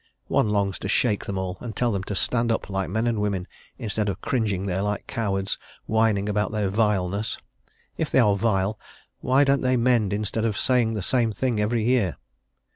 One longs to shake them all, and tell them to stand up like men and women, instead of cringing there like cowards, whining about their vileness. If they are vile, why don't they mend, instead of saying the same thing every year?